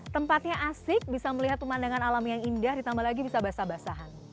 tempatnya asik bisa melihat pemandangan alam yang indah ditambah lagi bisa basah basahan